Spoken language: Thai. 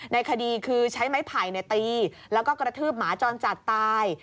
ในคดีคือใช้ไม้ไผ่ตีแล้วก็กระทืบหมาจรจัดตาย